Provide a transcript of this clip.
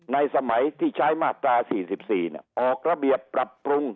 ในสมัยที่ใช้มาตรา๔๔ออกระเบียบปรับปรุง